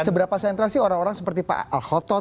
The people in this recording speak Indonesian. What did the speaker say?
seberapa sentral sih orang orang seperti pak al khotot